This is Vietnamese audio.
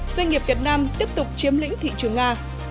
doanh nghiệp việt nam tiếp tục chiếm lĩnh thị trường nga